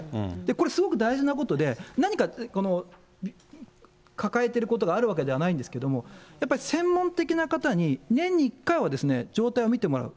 これ、すごく大事なことで、何か抱えてることがあるわけではないんですけれども、やっぱり専門的な方に年に１回は状態を見てもらう。